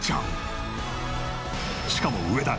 しかも上田